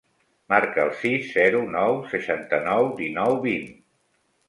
Marca el sis, zero, nou, seixanta-nou, dinou, vint.